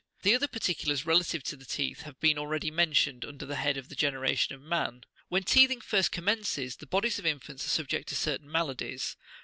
The other parti culars relative to the teeth have been already47 mentioned under the head of the generation of man. When teething first commences, the bodies of infants are subject to certain maladies.